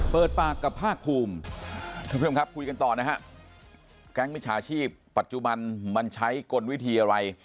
เปิดปากกับภาคภูมิคุยกันต่อนะครับแก๊งมิชาชีพปัจจุบันมันใช้กลวิธีอะไร